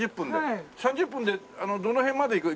３０分でどの辺まで行く？